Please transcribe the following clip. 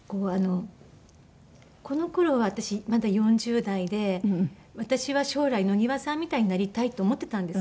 この頃は私まだ４０代で私は将来野際さんみたいになりたいって思ってたんです。